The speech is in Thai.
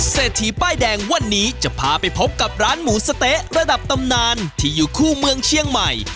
เศรษฐีป้ายแดงวันนี้จะพาไปพบกับร้านหมูสะเต๊ะระดับตำนานที่อยู่คู่เมืองเชียงใหม่